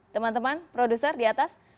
teman teman produser di atas